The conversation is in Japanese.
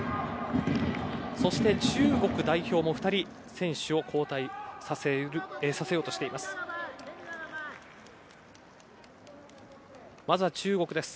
そして、中国代表も２人選手を交代させようとしています。